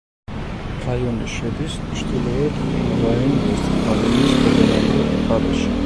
რაიონი შედის ჩრდილოეთ რაინ-ვესტფალიის ფედერალურ მხარეში.